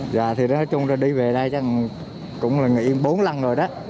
dạ thì nói chung ra đi về đây chắc cũng là nghỉ bốn lần rồi đó